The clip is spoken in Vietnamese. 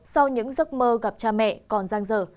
sau những giấc mơ gặp cha mẹ còn giang dở